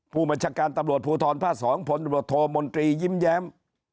ผู้บัชการตำรวจภูทรภาค๒ผลบทมนตรียิ้มแย้ม